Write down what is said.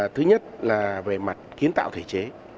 thứ nhất là về mặt kiến tạo thể chế